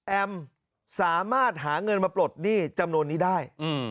สามารถหาเงินมาปลดหนี้จำนวนนี้ได้